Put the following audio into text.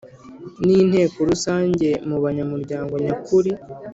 n Inteko Rusange mu banyamuryango nyakuri